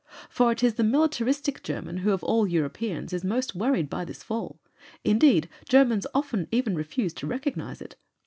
For it is the militaristic German who of all Europeans is most worried by this fall; indeed Germans often even refuse to recognize it.